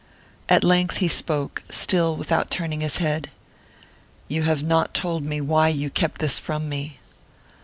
At length he spoke, still without turning his head. "You have not told me why you kept this from me."